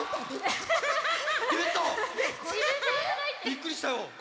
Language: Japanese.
びっくりしたよ！